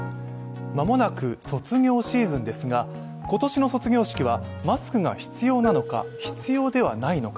間もなく卒業シーズンですが今年の卒業式はマスクが必要なのか、必要ではないのか。